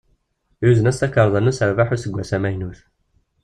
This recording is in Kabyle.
Yuzen-as takarḍa n userbeḥ n useggas amaynut.